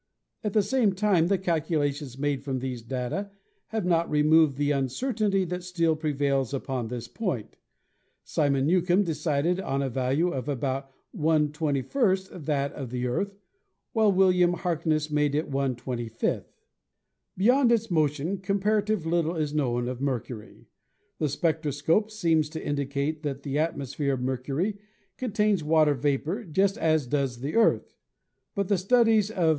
At the same time the calculations made from these data have not removed the uncertainty that still prevails upon this point; Simon Newcomb decided on a value of about 1/21 that of the Earth, while William Harkness made it 1/25. Beyond its motion comparatively little is known of Mercury. The spectroscope seems to indicate that the atmosphere of Mercury contains water vapor just as does 132 ASTRONOMY the Earth. But the studies of.